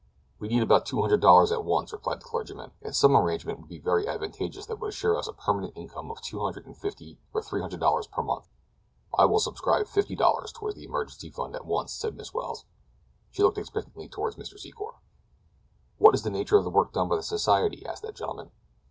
"We need about two hundred dollars at once," replied the clergyman, "and some arrangement would be very advantageous that would assure us of a permanent income of two hundred and fifty or three hundred dollars per month." "I will subscribe fifty dollars toward the emergency fund at once," said Miss Welles. She looked expectantly toward Mr. Secor. "What is the nature of the work done by the society?" asked that gentleman.